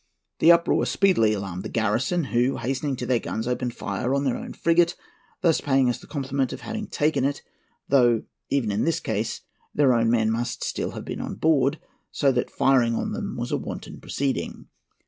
"The uproar speedily alarmed the garrison, who, hastening to their guns, opened fire on their own frigate, thus paying us the compliment of having taken it; though, even in this case, their own men must still have been on board, so that firing on them was a wanton proceeding.